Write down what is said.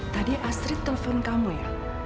tadi astrid telpon kamu ya